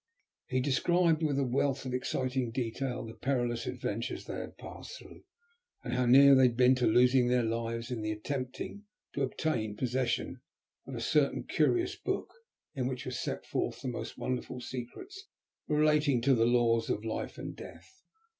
He described with a wealth of exciting detail the perilous adventures they had passed through, and how near they had been to losing their lives in attempting to obtain possession of a certain curious book in which were set forth the most wonderful secrets relating to the laws of Life and Death.